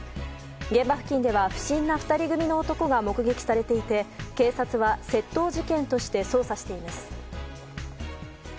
現場付近では不審な２人組の男が目撃されていて警察は窃盗事件として捜査しています。